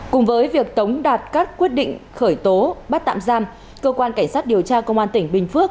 cùng với việc tống đạt các quyết định khởi tố bắt tạm giam cơ quan cảnh sát điều tra công an tỉnh bình phước